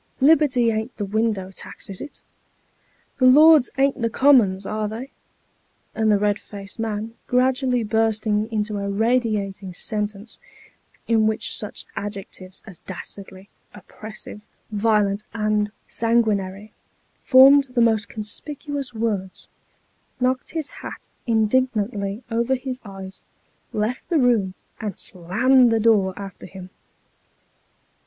Liberty ain't the window tax, is it ? The Lords ain't the Commons, are they ?" And the rod faced man, gradually bursting into a radiating sentence, in which such adjectives as " dastardly," " oppressive," " violent," and " sanguinary," formed the most conspicuous words, knocked his hat in dignantly over his eyes, left the room, and slammed the door after him.